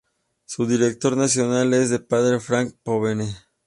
Su director nacional es el Padre Frank Pavone.